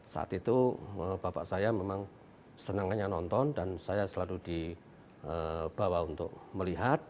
saat itu bapak saya memang senang hanya nonton dan saya selalu dibawa untuk melihat